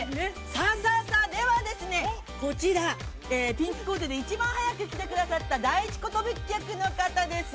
さあさあ、ではですね、こちら、ピンクコーデで、一番早く来てくださった第一寿客の方です。